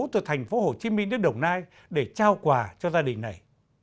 từ thành phố hồ chí minh đến đồng nai để trao quà cho gia đình này